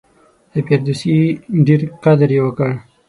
د فردوسي ډېر قدر یې وکړ.